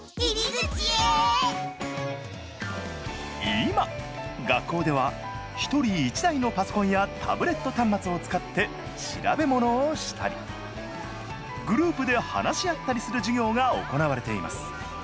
今学校では一人１台のパソコンやタブレット端末を使って調べ物をしたりグループで話し合ったりする授業が行われています。